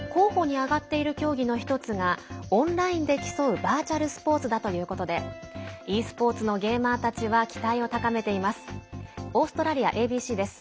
候補に挙がっている競技の１つがオンラインで競うバーチャルスポーツだということでｅスポーツのゲーマーたちは期待を高めています。